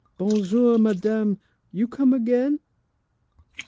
Bon jour, madame, you come again?